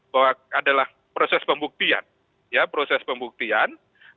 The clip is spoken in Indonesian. bahwa adalah proses pembuktian ya proses pembuktian